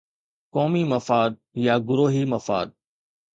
قومي مفاد يا گروهي مفاد؟